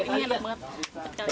ini enak banget buat kalian